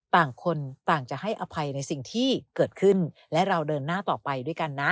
ต่างคนต่างจะให้อภัยในสิ่งที่เกิดขึ้นและเราเดินหน้าต่อไปด้วยกันนะ